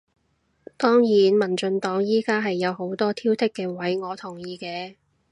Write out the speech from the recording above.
當然民進黨而家係有好多挑剔嘅位，我同意嘅